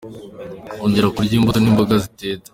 Ongera kurya imbuto n`imboga zitetse.